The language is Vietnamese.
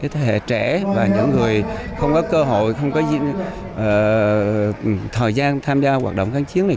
thế hệ trẻ và những người không có cơ hội không có thời gian tham gia hoạt động kháng chiến này